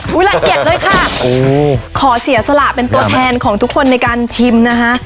เหวียร์โหขอเสียสละเป็นตัวแทนของทุกคนในการชิมนะคะ